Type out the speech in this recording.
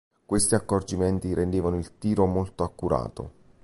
Questi accorgimenti rendevano il tiro molto accurato.